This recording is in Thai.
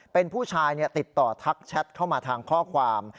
เป็นผู้ชายติดต่อทักแชทเข้ามาทางข้อความ